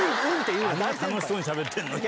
楽しそうにしゃべってんのに。